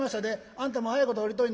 あんたも早いこと降りといなはれ」。